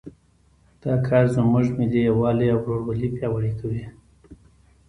دا کار زموږ ملي یووالی او ورورولي پیاوړی کوي